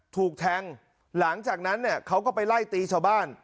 ถูกแทงหลังจากนั้นเนี่ยเขาก็ไปไล่ตีชาวบ้าน